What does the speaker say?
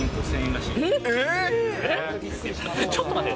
らちょっと待って。